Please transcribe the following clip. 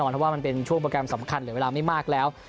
เพราะว่ามันเป็นช่วงโปรแกรมสำคัญเหลือเวลาไม่มากแล้ว